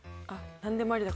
何でもありだから。